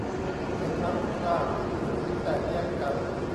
ไม่พลัดพราก หรือแตกแยกกัน